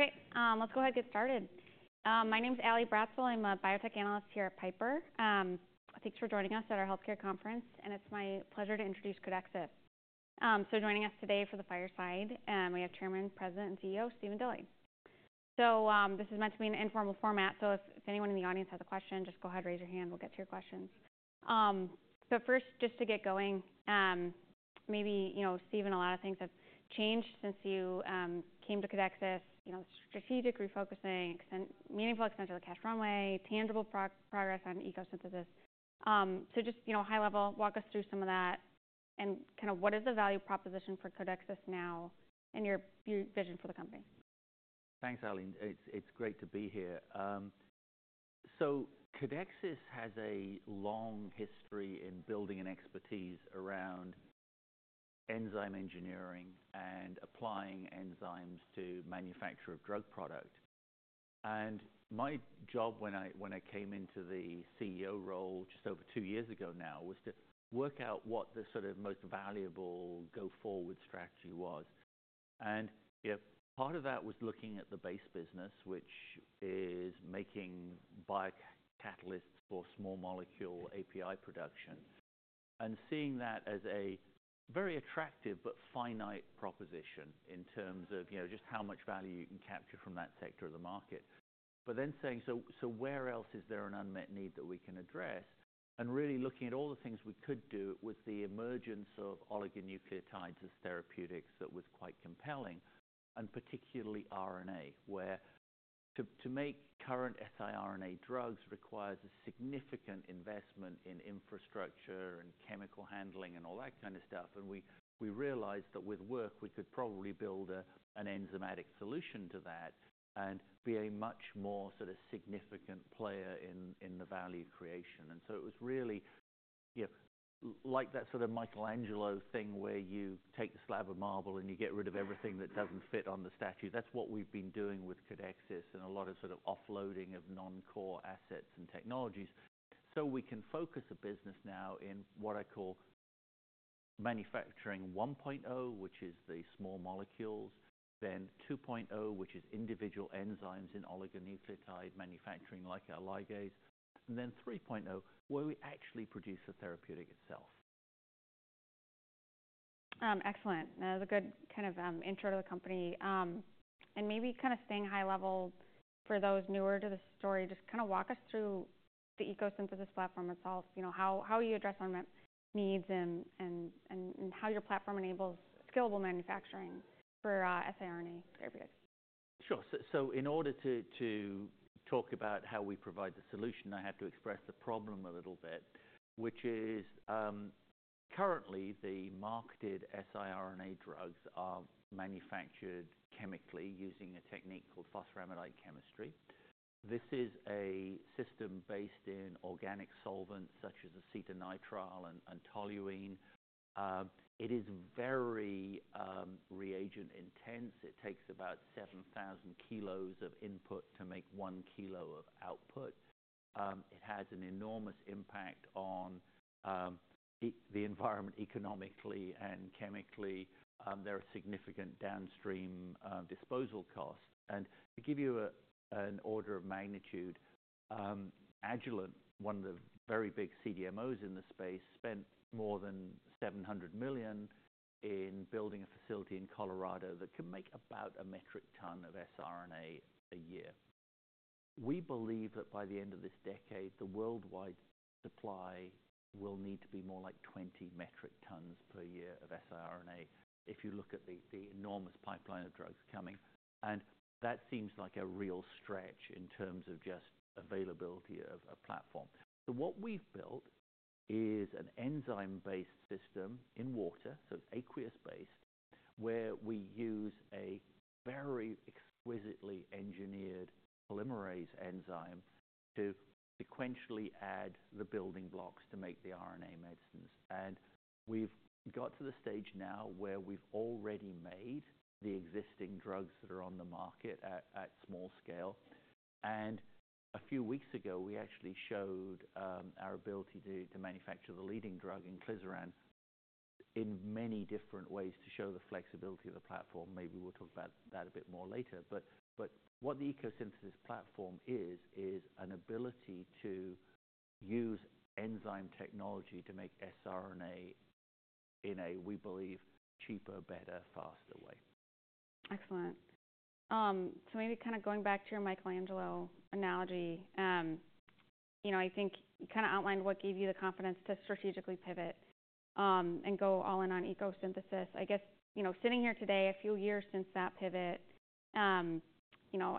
Okay, let's go ahead and get started. My name's Ally Bratzel. I'm a biotech analyst here at Piper. Thanks for joining us at our healthcare conference, and it's my pleasure to introduce Codexis. So joining us today for the fireside, we have Chairman, President, and CEO Stephen Dilly. So, this is meant to be an informal format, so if anyone in the audience has a question, just go ahead, raise your hand, we'll get to your questions. So first, just to get going, maybe, you know, Stephen, a lot of things have changed since you came to Codexis, you know, strategic refocusing, meaningful extension of the cash runway, tangible progress on ECO Synthesis. So just, you know, high level, walk us through some of that and kind of what is the value proposition for Codexis now and your, your vision for the company. Thanks, Ally. It's great to be here. So Codexis has a long history in building an expertise around enzyme engineering and applying enzymes to manufacture of drug product. And my job when I came into the CEO role just over two years ago now was to work out what the sort of most valuable go-forward strategy was. And, you know, part of that was looking at the base business, which is making biocatalysts for small molecule API production, and seeing that as a very attractive but finite proposition in terms of, you know, just how much value you can capture from that sector of the market. But then saying, so where else is there an unmet need that we can address? And really looking at all the things we could do with the emergence of oligonucleotides as therapeutics, that was quite compelling, and particularly RNA, where to make current siRNA drugs requires a significant investment in infrastructure and chemical handling and all that kind of stuff. And we realized that with work we could probably build an enzymatic solution to that and be a much more sort of significant player in the value creation. And so it was really, you know, like that sort of Michelangelo thing where you take the slab of marble and you get rid of everything that doesn't fit on the statue. That's what we've been doing with Codexis and a lot of sort of offloading of non-core assets and technologies. So we can focus the business now in what I call manufacturing 1.0, which is the small molecules, then 2.0, which is individual enzymes in oligonucleotide manufacturing like our ligase, and then 3.0, where we actually produce the therapeutic itself. Excellent. That was a good kind of intro to the company. Maybe kind of staying high level for those newer to the story, just kind of walk us through the ECO Synthesis platform itself, you know, how you address unmet needs and how your platform enables scalable manufacturing for siRNA therapeutics. Sure. So in order to talk about how we provide the solution, I have to express the problem a little bit, which is, currently the marketed siRNA drugs are manufactured chemically using a technique called phosphoramidite chemistry. This is a system based in organic solvents such as acetonitrile and toluene. It is very reagent intense. It takes about 7,000 kilos of input to make one kilo of output. It has an enormous impact on the environment economically and chemically. There are significant downstream disposal costs. And to give you an order of magnitude, Agilent, one of the very big CDMOs in the space, spent more than $700 million in building a facility in Colorado that can make about a metric ton of siRNA a year. We believe that by the end of this decade, the worldwide supply will need to be more like 20 metric tons per year of siRNA if you look at the enormous pipeline of drugs coming. That seems like a real stretch in terms of just availability of a platform. What we've built is an enzyme-based system in water, so it's aqueous-based, where we use a very exquisitely engineered polymerase enzyme to sequentially add the building blocks to make the RNA medicines. We've got to the stage now where we've already made the existing drugs that are on the market at small scale. A few weeks ago, we actually showed our ability to manufacture the leading drug in Inclisiran in many different ways to show the flexibility of the platform. Maybe we'll talk about that a bit more later. But what the ECO Synthesis platform is, is an ability to use enzyme technology to make siRNA in a, we believe, cheaper, better, faster way. Excellent. So maybe kind of going back to your Michelangelo analogy, you know, I think you kind of outlined what gave you the confidence to strategically pivot, and go all in on ECO Synthesis. I guess, you know, sitting here today, a few years since that pivot, you know,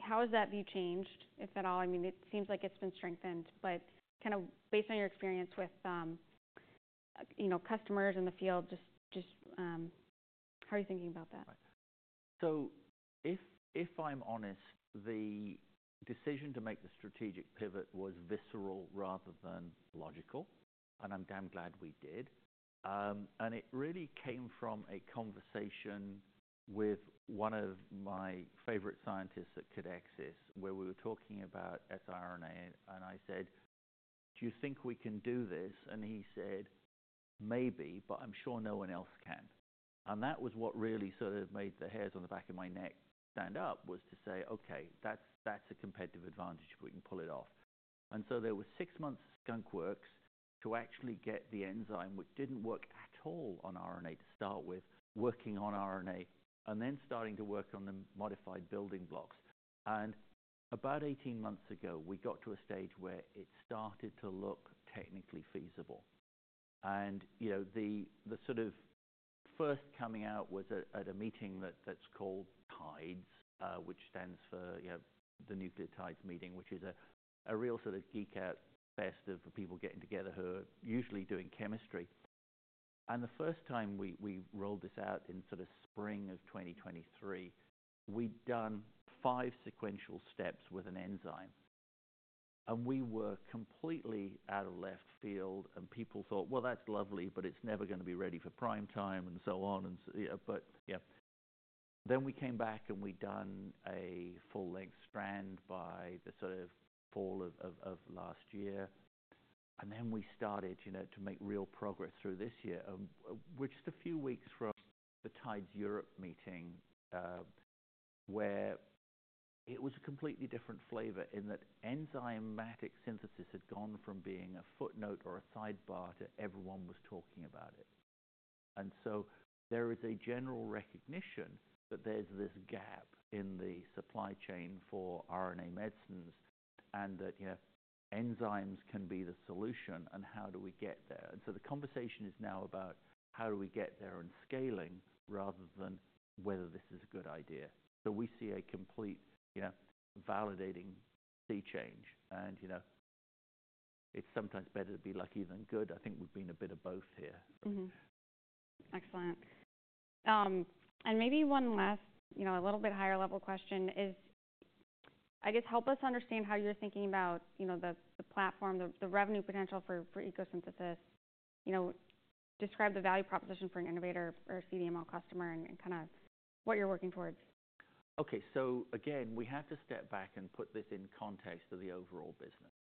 how has that view changed, if at all? I mean, it seems like it's been strengthened, but kind of based on your experience with, you know, customers in the field, just how are you thinking about that? If I'm honest, the decision to make the strategic pivot was visceral rather than logical, and I'm damn glad we did. And it really came from a conversation with one of my favorite scientists at Codexis where we were talking about siRNA, and I said, "Do you think we can do this?" And he said, "Maybe, but I'm sure no one else can." And that was what really sort of made the hairs on the back of my neck stand up, was to say, "Okay, that's a competitive advantage. We can pull it off." And so there were six months of skunk works to actually get the enzyme, which didn't work at all on RNA to start with, working on RNA, and then starting to work on the modified building blocks. About 18 months ago, we got to a stage where it started to look technically feasible. You know, the sort of first coming out was at a meeting that's called TIDES, which stands for, you know, the Nucleotides Meeting, which is a real sort of geek-out fest of people getting together who are usually doing chemistry. The first time we rolled this out in sort of spring of 2023, we'd done five sequential steps with an enzyme, and we were completely out of left field, and people thought, "Well, that's lovely, but it's never gonna be ready for prime time," and so on, and so you know, but yeah. We came back and we'd done a full-length strand by the sort of fall of last year. And then we started, you know, to make real progress through this year. We're just a few weeks from the TIDES Europe meeting, where it was a completely different flavor in that enzymatic synthesis had gone from being a footnote or a sidebar to everyone was talking about it, and so there is a general recognition that there's this gap in the supply chain for RNA medicines and that, you know, enzymes can be the solution, and how do we get there, and so the conversation is now about how do we get there and scaling rather than whether this is a good idea, so we see a complete, you know, validating sea change, and, you know, it's sometimes better to be lucky than good. I think we've been a bit of both here. Mm-hmm. Excellent. And maybe one last, you know, a little bit higher level question is, I guess, help us understand how you're thinking about, you know, the platform, the revenue potential for ECO Synthesis. You know, describe the value proposition for an innovator or CDMO customer and kind of what you're working towards. Okay. We have to step back and put this in context of the overall business.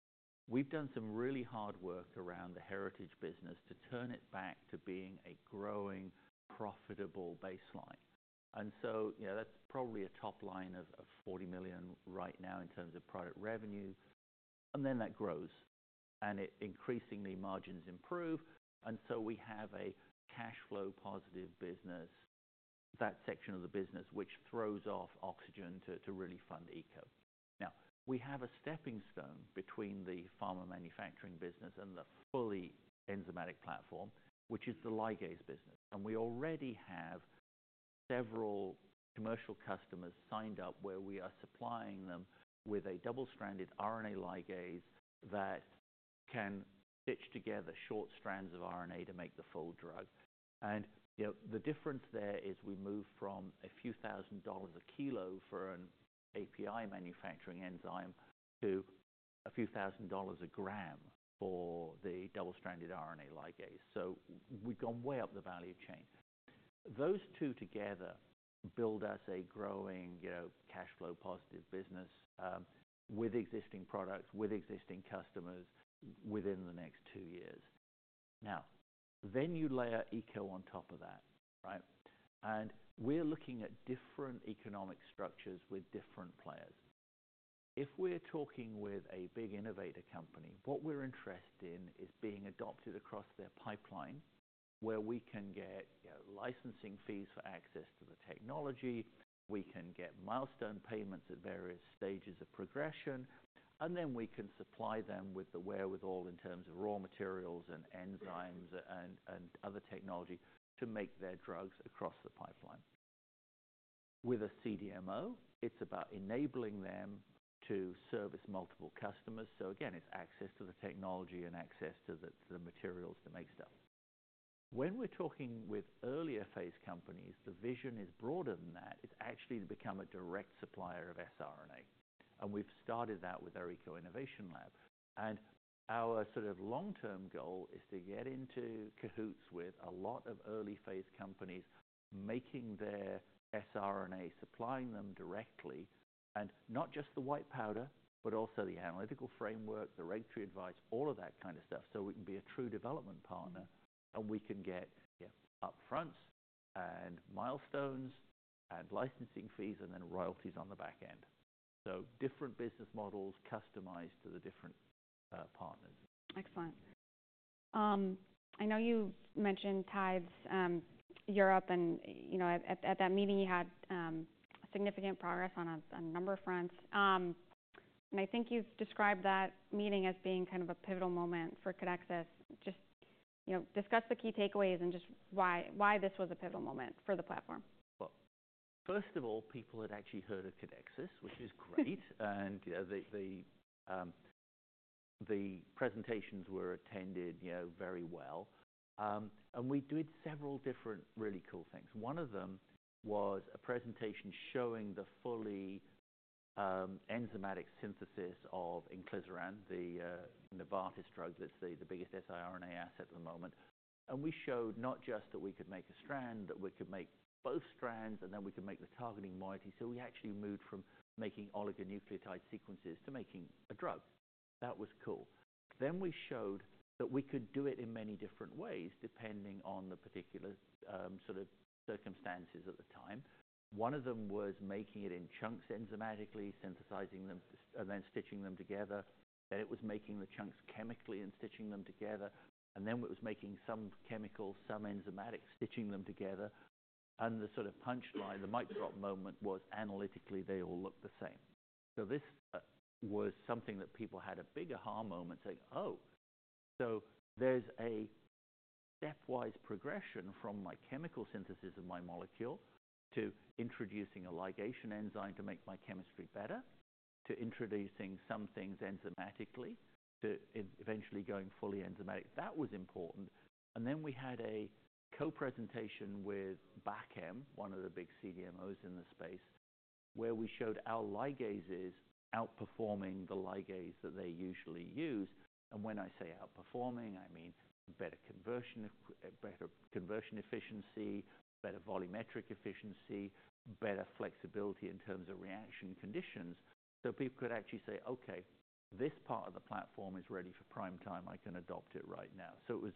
We've done some really hard work around the heritage business to turn it back to being a growing, profitable baseline. And so, you know, that's probably a top line of $40 million right now in terms of product revenue. And then that grows, and it increasingly margins improve. And so we have a cash flow positive business, that section of the business, which throws off oxygen to really fund eco. Now, we have a stepping stone between the pharma manufacturing business and the fully enzymatic platform, which is the ligase business. And we already have several commercial customers signed up where we are supplying them with a double-stranded RNA ligase that can stitch together short strands of RNA to make the full drug. You know, the difference there is we move from a few thousand dollars a kilo for an API manufacturing enzyme to a few thousand dollars a gram for the double-stranded RNA ligase. So we've gone way up the value chain. Those two together build us a growing, you know, cash flow positive business, with existing products, with existing customers within the next two years. Now, then you layer ECO on top of that, right? And we're looking at different economic structures with different players. If we're talking with a big innovator company, what we're interested in is being adopted across their pipeline where we can get, you know, licensing fees for access to the technology. We can get milestone payments at various stages of progression, and then we can supply them with the wherewithal in terms of raw materials and enzymes and other technology to make their drugs across the pipeline. With a CDMO, it's about enabling them to service multiple customers, so again, it's access to the technology and access to the materials to make stuff. When we're talking with earlier phase companies, the vision is broader than that. It's actually to become a direct supplier of siRNA, and we've started that with our ECO Innovation Lab. Our sort of long-term goal is to get into cahoots with a lot of early phase companies making their siRNA, supplying them directly, and not just the white powder, but also the analytical framework, the regulatory advice, all of that kind of stuff, so we can be a true development partner and we can get, yeah, upfronts and milestones and licensing fees and then royalties on the back end. So different business models customized to the different partners. Excellent. I know you mentioned TIDES, Europe, and, you know, at that meeting, you had significant progress on a number of fronts. And I think you've described that meeting as being kind of a pivotal moment for Codexis. Just, you know, discuss the key takeaways and just why this was a pivotal moment for the platform. First of all, people had actually heard of Codexis, which is great. You know, the presentations were attended, you know, very well. We did several different really cool things. One of them was a presentation showing the fully enzymatic synthesis of inclisiran, the Novartis drug that's the biggest siRNA asset at the moment. We showed not just that we could make a strand, that we could make both strands, and then we could make the targeting moiety. We actually moved from making oligonucleotide sequences to making a drug. That was cool. We showed that we could do it in many different ways depending on the particular sort of circumstances at the time. One of them was making it in chunks enzymatically, synthesizing them and then stitching them together. It was making the chunks chemically and stitching them together. And then it was making some chemical, some enzymatic, stitching them together. And the sort of punchline, the mic drop moment was analytically, they all look the same. So this was something that people had a big aha moment saying, "Oh, so there's a stepwise progression from my chemical synthesis of my molecule to introducing a ligation enzyme to make my chemistry better, to introducing some things enzymatically, to eventually going fully enzymatic." That was important. And then we had a co-presentation with Bachem, one of the big CDMOs in the space, where we showed our ligases outperforming the ligase that they usually use. And when I say outperforming, I mean better conversion efficiency, better volumetric efficiency, better flexibility in terms of reaction conditions. So people could actually say, "Okay, this part of the platform is ready for prime time. I can adopt it right now." So it was,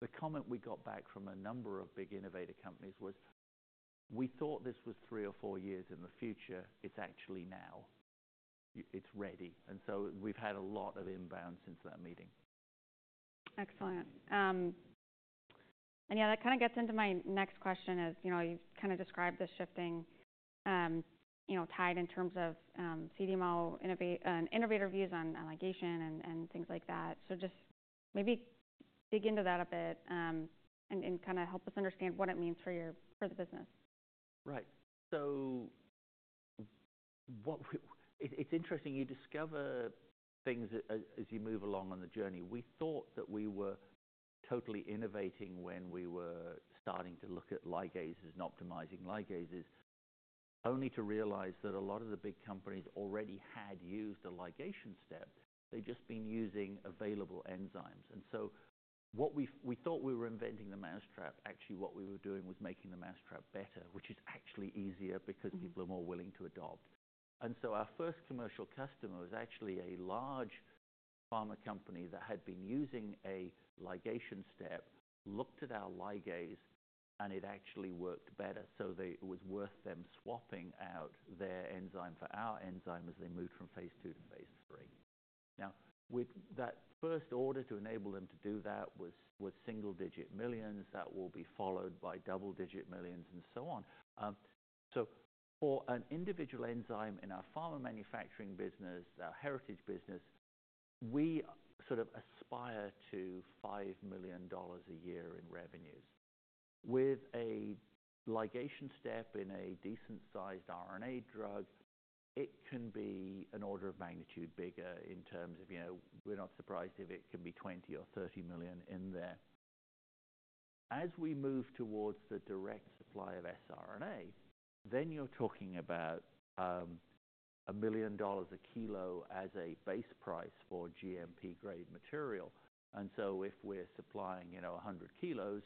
the comment we got back from a number of big innovator companies was, "We thought this was three or four years in the future. It's actually now. It's ready." And so we've had a lot of inbound since that meeting. Excellent. And yeah, that kind of gets into my next question as, you know, you kind of described the shifting, you know, TIDES in terms of CDMO innovator and innovator views on ligation and things like that. So just maybe dig into that a bit, and kind of help us understand what it means for your business. Right. So it's interesting. You discover things as you move along on the journey. We thought that we were totally innovating when we were starting to look at ligases and optimizing ligases, only to realize that a lot of the big companies already had used a ligation step. They'd just been using available enzymes. And so what we thought we were inventing the mousetrap, actually what we were doing was making the mousetrap better, which is actually easier because people are more willing to adopt. And so our first commercial customer was actually a large pharma company that had been using a ligation step, looked at our ligase, and it actually worked better. So they it was worth them swapping out their enzyme for our enzyme as they moved from Phase II to Phase III. Now, with that first order to enable them to do that was single-digit millions. That will be followed by double-digit millions and so on. So for an individual enzyme in our pharma manufacturing business, our heritage business, we sort of aspire to $5 million a year in revenues. With a ligation step in a decent-sized RNA drug, it can be an order of magnitude bigger in terms of, you know, we're not surprised if it can be $20 or 30 million in there. As we move towards the direct supply of siRNA, then you're talking about $1 million a kilo as a base price for GMP-grade material. And so if we're supplying, you know, 100 kilos,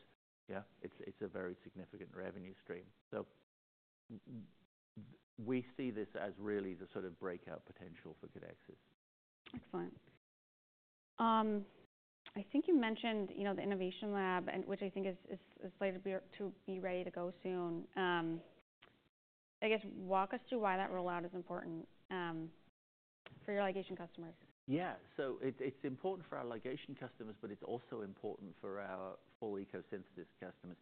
yeah, it's a very significant revenue stream. So we see this as really the sort of breakout potential for Codexis. Excellent. I think you mentioned, you know, the innovation lab, and which I think is slated to be ready to go soon. I guess, walk us through why that rollout is important, for your ligation customers. Yeah. So it's important for our ligation customers, but it's also important for our full ECO Synthesis customers.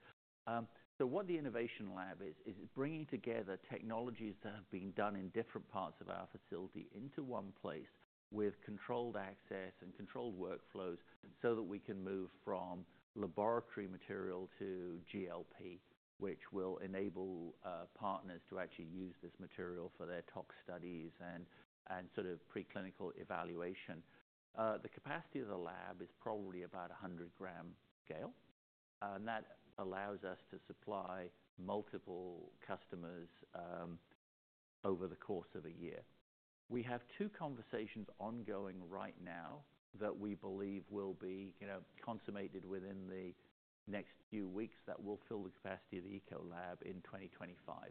So what the innovation lab is, it's bringing together technologies that have been done in different parts of our facility into one place with controlled access and controlled workflows so that we can move from laboratory material to GLP, which will enable partners to actually use this material for their tox studies and sort of preclinical evaluation. The capacity of the lab is probably about 100-gram scale, and that allows us to supply multiple customers over the course of a year. We have two conversations ongoing right now that we believe will be, you know, consummated within the next few weeks that will fill the capacity of the Eco Lab in 2025. And,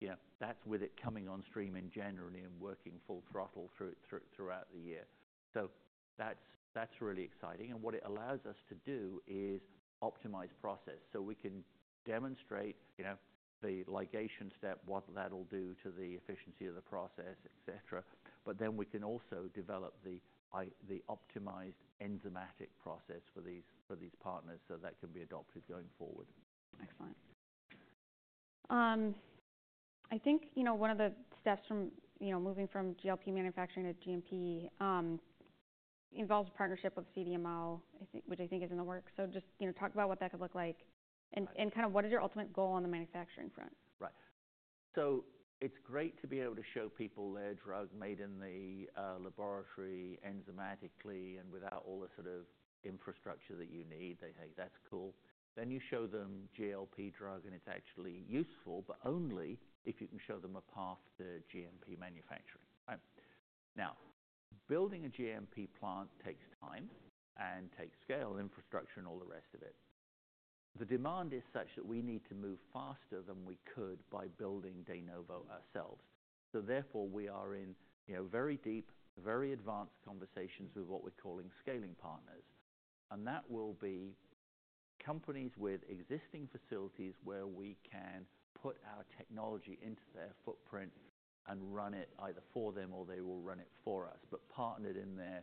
you know, that's with it coming on stream in general and working full throttle through it throughout the year. So that's, that's really exciting. And what it allows us to do is optimize process so we can demonstrate, you know, the ligation step, what that'll do to the efficiency of the process, etc. But then we can also develop the, the optimized enzymatic process for these, for these partners so that can be adopted going forward. Excellent. I think, you know, one of the steps from, you know, moving from GLP manufacturing to GMP, involves a partnership with CDMO, I think, which I think is in the works. So just, you know, talk about what that could look like and, and kind of what is your ultimate goal on the manufacturing front? Right. So it's great to be able to show people their drug made in the laboratory enzymatically and without all the sort of infrastructure that you need. They say, "That's cool." Then you show them GLP drug, and it's actually useful, but only if you can show them a path to GMP manufacturing, right? Now, building a GMP plant takes time and takes scale, infrastructure, and all the rest of it. The demand is such that we need to move faster than we could by building de novo ourselves. So therefore, we are in, you know, very deep, very advanced conversations with what we're calling scaling partners. And that will be companies with existing facilities where we can put our technology into their footprint and run it either for them or they will run it for us, but partnered in there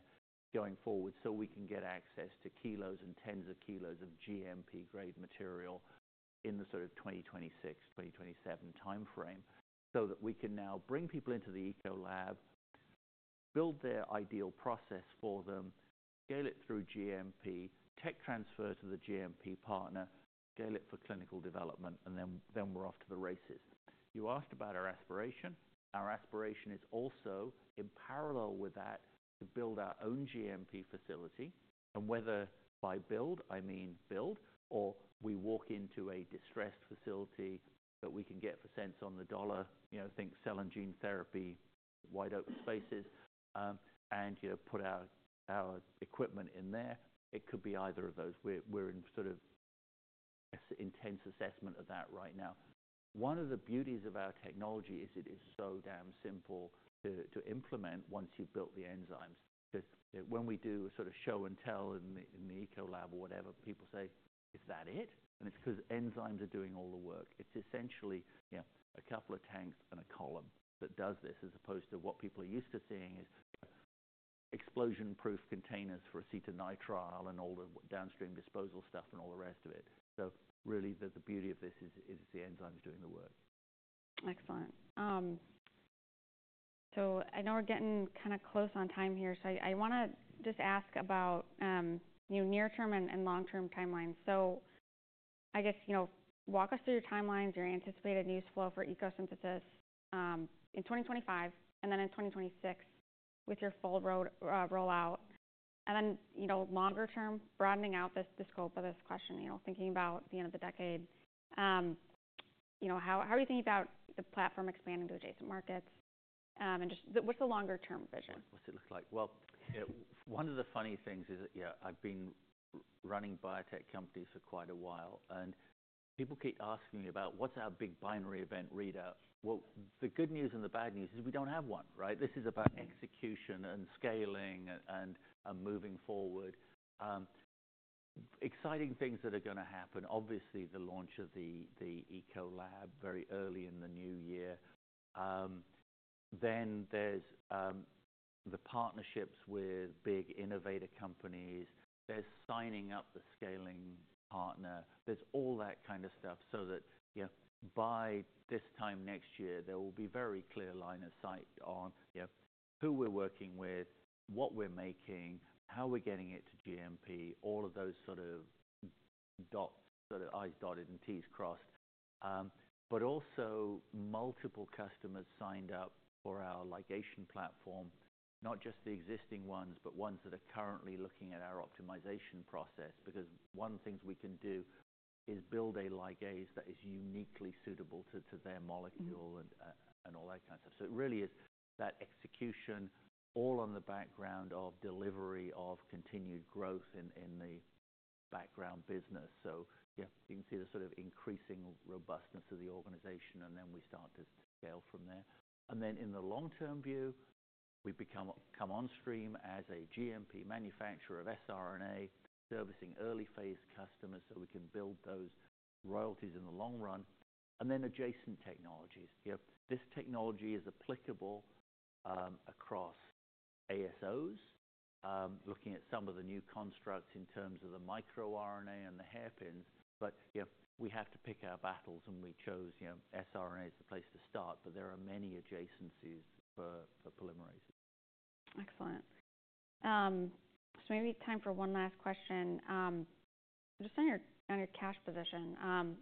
going forward so we can get access to kilos and tens of kilos of GMP-grade material in the sort of 2026, 2027 timeframe so that we can now bring people into the ECO Lab, build their ideal process for them, scale it through GMP, tech transfer to the GMP partner, scale it for clinical development, and then we're off to the races. You asked about our aspiration. Our aspiration is also in parallel with that to build our own GMP facility. Whether by build, I mean build, or we walk into a distressed facility that we can get for cents on the dollar, you know, think cell and gene therapy, wide open spaces, and, you know, put our equipment in there. It could be either of those. We're in sort of intense assessment of that right now. One of the beauties of our technology is it is so damn simple to implement once you've built the enzymes. Because when we do a sort of show and tell in the ECO Lab or whatever, people say, "Is that it?" It's because enzymes are doing all the work. It's essentially, yeah, a couple of tanks and a column that does this as opposed to what people are used to seeing is, you know, explosion-proof containers for acetonitrile and all the downstream disposal stuff and all the rest of it. So really, the beauty of this is the enzymes doing the work. Excellent. So I know we're getting kind of close on time here, so I want to just ask about, you know, near-term and long-term timelines. So I guess, you know, walk us through your timelines, your anticipated news flow for ECO Synthesis in 2025 and then in 2026 with your full roadmap rollout. And then, you know, longer-term broadening out the scope of this question, you know, thinking about the end of the decade, you know, how are you thinking about the platform expanding to adjacent markets, and just what's the longer-term vision? What's it look like? Well, you know, one of the funny things is, you know, I've been running biotech companies for quite a while, and people keep asking me about what's our big binary event readout. Well, the good news and the bad news is we don't have one, right? This is about execution and scaling and, and, and moving forward, exciting things that are going to happen. Obviously, the launch of the ECO Lab very early in the new year, then there's the partnerships with big innovator companies. There's signing up the scaling partner. There's all that kind of stuff so that, you know, by this time next year, there will be a very clear line of sight on, you know, who we're working with, what we're making, how we're getting it to GMP, all of those sort of i's dotted and t's crossed. but also multiple customers signed up for our ligation platform, not just the existing ones, but ones that are currently looking at our optimization process. Because one of the things we can do is build a ligase that is uniquely suitable to their molecule and all that kind of stuff. So it really is that execution all on the background of delivery of continued growth in the background business. So, yeah, you can see the sort of increasing robustness of the organization, and then we start to scale from there. And then in the long-term view, we come on stream as a GMP manufacturer of siRNA servicing early-phase customers so we can build those royalties in the long run. And then adjacent technologies, you know. This technology is applicable across ASOs, looking at some of the new constructs in terms of the microRNA and the hairpins. But you know, we have to pick our battles, and we chose, you know, siRNA is the place to start, but there are many adjacencies for polymerases. Excellent. So maybe time for one last question. Just on your, on your cash position,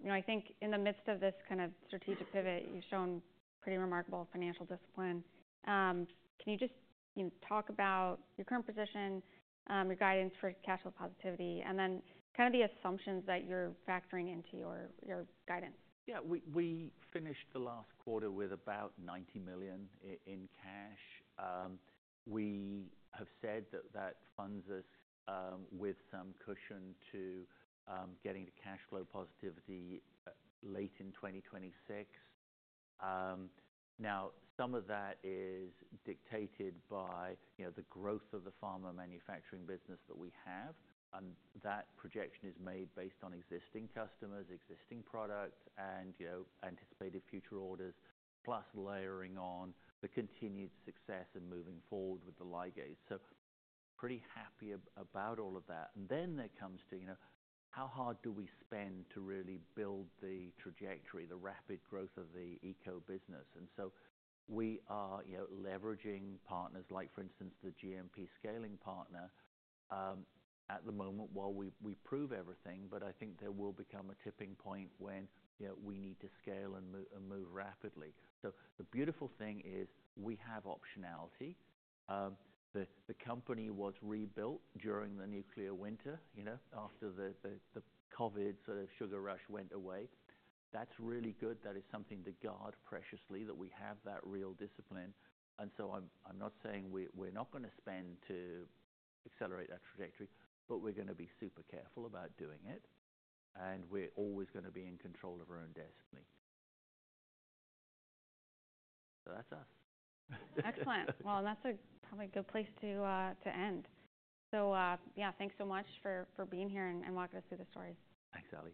you know, I think in the midst of this kind of strategic pivot, you've shown pretty remarkable financial discipline. Can you just, you know, talk about your current position, your guidance for cash flow positivity, and then kind of the assumptions that you're factoring into your, your guidance? Yeah. We finished the last quarter with about $90 million in cash. We have said that that funds us, with some cushion to getting to cash flow positivity, late in 2026. Now, some of that is dictated by, you know, the growth of the pharma manufacturing business that we have. And that projection is made based on existing customers, existing product, and, you know, anticipated future orders, plus layering on the continued success and moving forward with the ligase. So pretty happy about all of that. And then there comes to, you know, how hard do we spend to really build the trajectory, the rapid growth of the ECO business? And so we are, you know, leveraging partners like, for instance, the GMP scaling partner, at the moment while we prove everything. But I think there will become a tipping point when, you know, we need to scale and move and move rapidly. So the beautiful thing is we have optionality. The company was rebuilt during the nuclear winter, you know, after the COVID sort of sugar rush went away. That's really good. That is something to guard preciously that we have that real discipline. And so I'm not saying we're not going to spend to accelerate that trajectory, but we're going to be super careful about doing it. And we're always going to be in control of our own destiny. So that's us. Excellent. Well, and that's probably a good place to end. So, yeah, thanks so much for being here and walking us through the stories. Thanks, Ally.